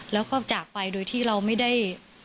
แล้วก็จากไปโดยที่เราไม่ได้